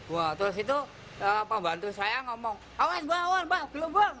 wah terus itu pembantu saya ngomong awan awan awan belum bang